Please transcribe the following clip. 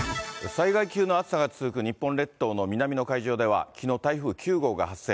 災害級の暑さが続く日本列島の南の海上では、きのう、台風９号が発生。